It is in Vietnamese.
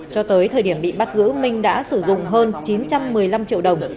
cho tới thời điểm bị bắt giữ minh đã sử dụng hơn chín trăm một mươi năm triệu đồng